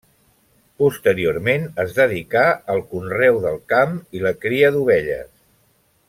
Posteriorment es dedicà al conreu del camp i la cria d'ovelles.